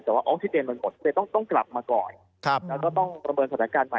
แต่ว่ามันหมดแต่ต้องต้องกลับมาก่อนครับแล้วก็ต้องประเมินสถานการณ์ใหม่